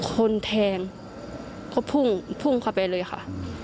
คนแทงก็พุ่งพุ่งเข้าไปเลยค่ะ